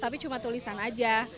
tapi cuma tulisannya